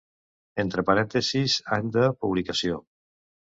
Entre parèntesis any de publicació.